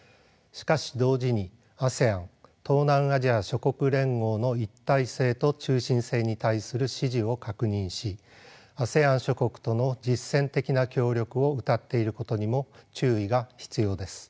しかし同時にＡＳＥＡＮ東南アジア諸国連合の一体性と中心性に対する支持を確認しＡＳＥＡＮ諸国との実践的な協力をうたっていることにも注意が必要です。